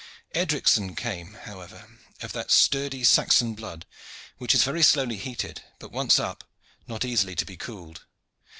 Edricson came, however, of that sturdy Saxon blood which is very slowly heated, but once up not easily to be cooled.